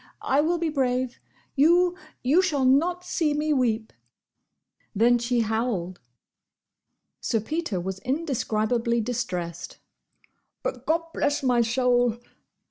I will be brave! You—you—shall—not—see—me—weep!" Then she howled. Sir Peter was indescribably distressed. "But—Gobblessmysoul!